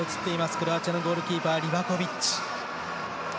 クロアチアのゴールキーパーリバコビッチ。